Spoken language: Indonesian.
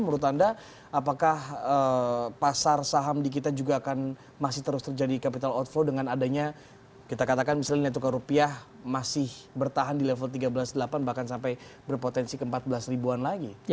menurut anda apakah pasar saham di kita juga akan masih terus terjadi capital outflow dengan adanya kita katakan misalnya nilai tukar rupiah masih bertahan di level tiga belas delapan bahkan sampai berpotensi ke empat belas ribuan lagi